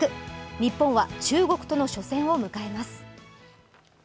日本は中国との初戦を迎えます。